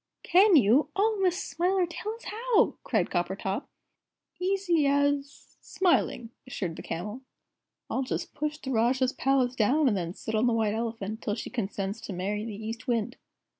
"Can you? Oh, Miss Smiler, tell us how!" cried Coppertop. "Easy as smiling," assured the Camel. "I'll just push the Rajah's Palace down, and then sit on the White Elephant till she consents to marry the East Wind."